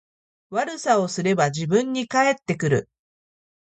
悪さをすれば自分に返ってくる